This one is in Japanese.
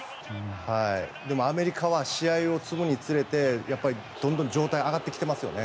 でもアメリカは試合を積むにつれてどんどん状態が上がってきていますよね。